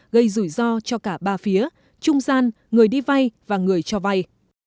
gây rủi ro cho cả ba phía trung gian người đi vay và người cho vay